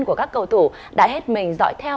của các cầu thủ đã hết mình dõi theo